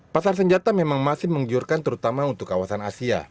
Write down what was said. pasar senjata memang masih menggiurkan terutama untuk kawasan asia